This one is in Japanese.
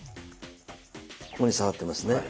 ここに刺さってますね。